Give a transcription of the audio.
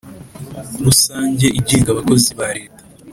rusange igenga abakozi ba leta